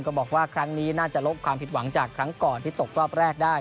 บอกว่าครั้งนี้น่าจะลบความผิดหวังจากครั้งก่อนที่ตกรอบแรกได้